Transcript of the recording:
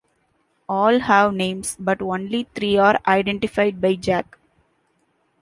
All have names, but only three are identified by Jake.